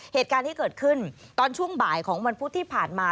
เหตุการณ์ที่เกิดขึ้นตอนช่วงบ่ายของวันพุธที่ผ่านมา